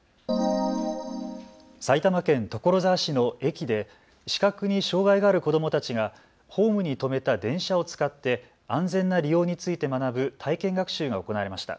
埼玉県所沢市の駅で視覚に障害がある子どもたちがホームに止めた電車を使って安全な利用について学ぶ体験学習が行われました。